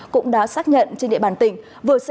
cũng đã xác nhận trên địa bàn phòng vaccine